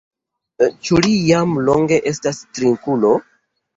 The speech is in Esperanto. Ĉu li jam longe estas trinkulo?